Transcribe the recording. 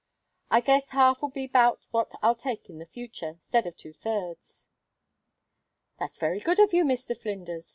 I guess half'll be 'bout what I'll take in the future, 'stead of two thirds." "That's very good of you, Mr. Flinders!"